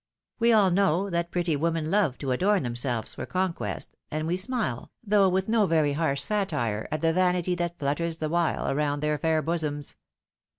We all know that pretty women love to adorn themselves for conquest, and we smile, though witi no very harsh satire, at the vanity that flutters the whUe around their fair bosonis.